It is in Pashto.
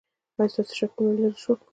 ایا ستاسو شکونه لرې شول؟